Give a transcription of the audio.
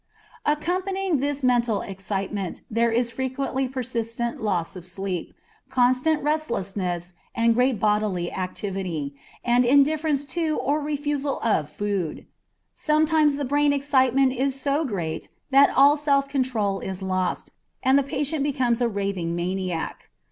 Accompanying this mental excitement there is frequently persistent loss of sleep, constant restlessness, and great bodily activity, and indifference to or refusal of food. Sometimes the brain excitement is so great that all self control is lost, and the patient becomes a raving maniac.